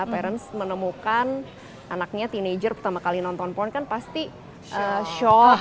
parence menemukan anaknya teenager pertama kali nonton pon kan pasti shock